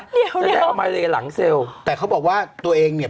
เดี๋ยวเขาจะได้เอามาเลหลังเซลล์แต่เขาบอกว่าตัวเองเนี่ย